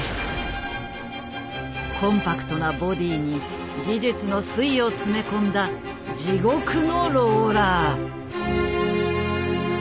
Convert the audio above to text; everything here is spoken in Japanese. コンパクトなボディーに技術の粋を詰め込んだ地獄のローラー。